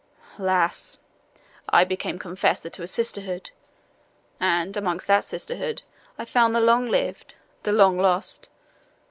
Alas! I became confessor to a sisterhood, and amongst that sisterhood I found the long loved the long lost.